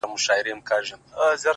د هغه شپې څخه شپې نه کلونه تېر سوله خو;